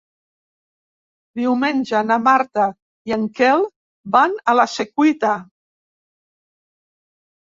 Diumenge na Marta i en Quel van a la Secuita.